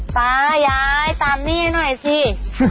ตายายตามหนี้ให้หน่อยสิ